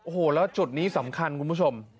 โอ้โหแล้วจุดนี้สำคัญคุณผู้ชม